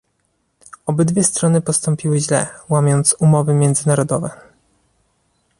Obydwie strony postąpiły źle, łamiąc umowy międzynarodowe